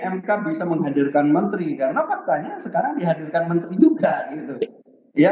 mk bisa menghadirkan menteri karena faktanya sekarang dihadirkan menteri juga gitu ya